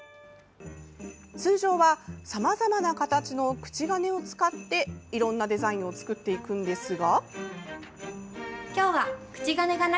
通常はさまざまな形の口金を使っていろんなデザインを作っていくんですが。